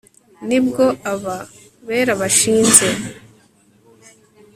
Ni bwo aba bera bashinze